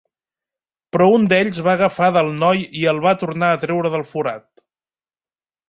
Però un d'ells va agafar del noi i el va tornar a treure del forat.